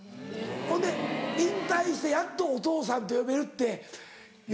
ほんで引退してやっと「お父さん」と呼べるって喜んで。